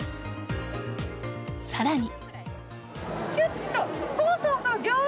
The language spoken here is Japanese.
さらに。